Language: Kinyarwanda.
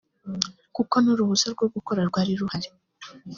kuko n’uruhusa rwo gukora rwari ruhari